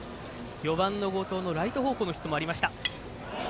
４番の後藤のライト方向のヒットもありました。